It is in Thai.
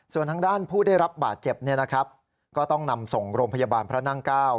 ส่วนทางด้านผู้ได้รับบาดเจ็บเนี่ยนะครับก็ต้องนำส่งโรงพยาบาลพระนั่งเก้า